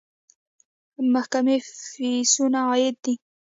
د محکمې فیسونه عاید دی